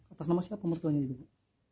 atas nama siapa mertuanya juga